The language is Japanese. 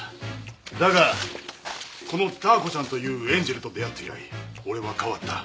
だがこのダー子ちゃんというエンジェルと出会って以来俺は変わった。